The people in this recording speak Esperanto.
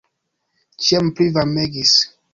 Ĉiam pli varmegis.